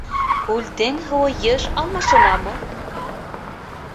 Күлдең һыуы йыш алмашынамы?